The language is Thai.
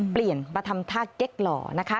เปลี่ยนมาทำท่าเก๊กหล่อนะคะ